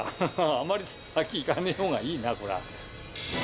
あまり先行かねぇほうがいいな、こりゃ。